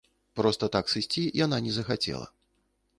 Проста так сысці яна не захацела.